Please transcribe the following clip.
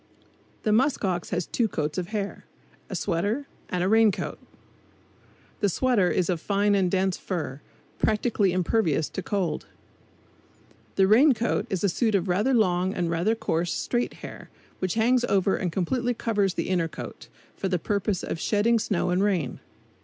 The musk ox has two coats of hair a sweater and a rain coat. The sweater is of fine and dense fur, practically impervious to cold. The rain coat is a suit of rather long and rather coarse straight hair, which hangs over and completely covers the inner coat, for the purpose of shedding snow and rain.